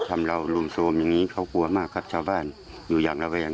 เรารุมโทรมอย่างนี้เขากลัวมากครับชาวบ้านอยู่อย่างระแวง